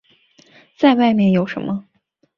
再外面有什么